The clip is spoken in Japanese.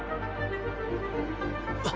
あっ！